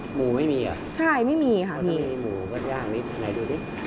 หมู่ไม่มีเหรอว่าจะมีหมู่ก็ยากนิดไหนดูดิ